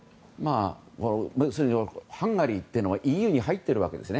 ハンガリーはＥＵに入ってるわけですね。